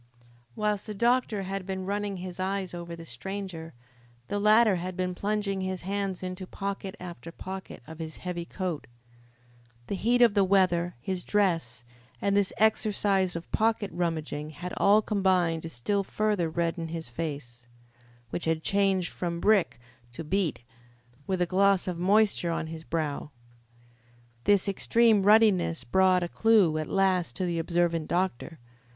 Whilst the doctor had been running his eyes over the stranger, the latter had been plunging his hands into pocket after pocket of his heavy coat. The heat of the weather, his dress, and this exercise of pocket rummaging had all combined to still further redden his face, which had changed from brick to beet, with a gloss of moisture on his brow. This extreme ruddiness brought a clue at last to the observant doctor.